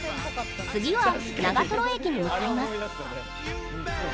次は長瀞駅に向かいます。